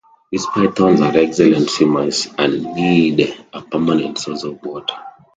These pythons are excellent swimmers and need a permanent source of water.